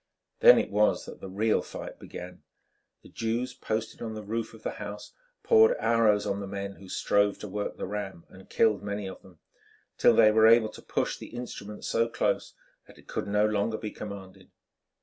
Then it was that the real fight began. The Jews posted on the roof of the house poured arrows on the men who strove to work the ram, and killed many of them, till they were able to push the instrument so close that it could no longer be commanded.